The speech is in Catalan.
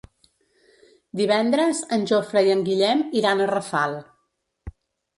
Divendres en Jofre i en Guillem iran a Rafal.